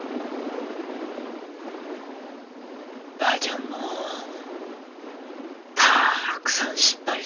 ばあちゃんもたくさん失敗したとよ。